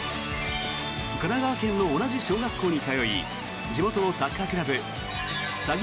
神奈川県の同じ小学校に通い地元のサッカークラブさぎ